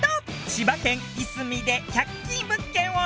千葉県・いすみで１００均物件をＤＩＹ！